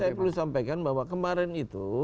saya perlu sampaikan bahwa kemarin itu